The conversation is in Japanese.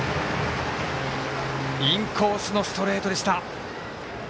インコースのストレートでした。